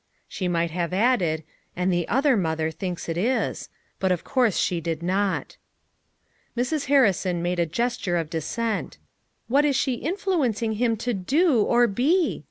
She might have added u And the other mother thinks it is," but of course she did not. Mrs. Harrison made a gesture of dissent. "What is she influencing him to do, or he?"